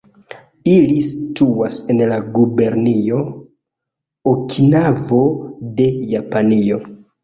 Ili situas en la gubernio Okinavo de Japanio.